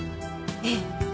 ええ。